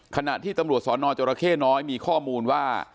ขณะที่ตำรวจสนจรเข้น้อยมีข้อมูลว่า